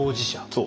そう。